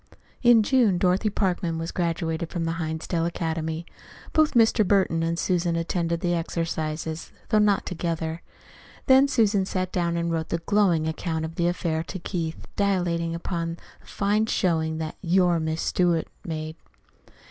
In June Dorothy Parkman was graduated from the Hinsdale Academy. Both Mr. Burton and Susan attended the exercises, though not together. Then Susan sat down and wrote a glowing account of the affair to Keith, dilating upon the fine showing that "your Miss Stewart" made.